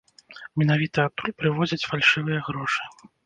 Менавіта адтуль прывозяць фальшывыя грошы.